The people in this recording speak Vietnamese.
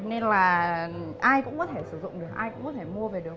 nên là ai cũng có thể sử dụng được ai cũng có thể mua về được